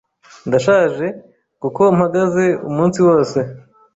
Ndashaje, kuko mpagaze umunsi wose.